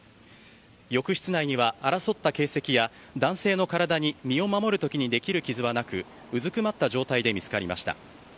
浴室内には争った形跡や男性の体に身を守る時にできる傷はなくうずくまった状態で見つかりました。